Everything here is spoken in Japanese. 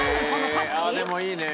「ああでもいいね。